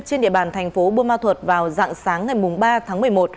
trên địa bàn thành phố bô ma thuật vào dạng sáng ngày ba tháng một mươi một